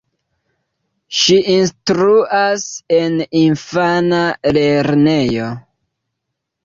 Ŝi instruas en infana lernejo.